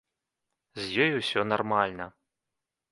З ёй усё нармальна.